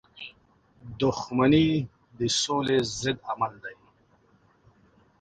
• دښمني د سولی ضد عمل دی.